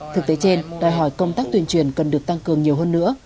thực tế trên đòi hỏi công tác tuyên truyền cần được tăng cường nhiều hơn nữa